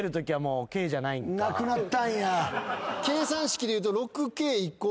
なくなったんや。